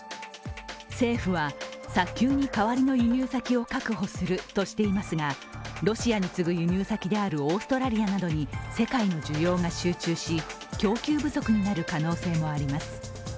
政府は早急に代わりの輸入先を確保するとしていますがロシアに次ぐ輸入先であるオーストラリアなどに世界の需要が集中し、供給不足になる可能性もあります。